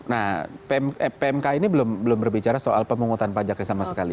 nah pmk ini belum berbicara soal pemungutan pajaknya sama sekali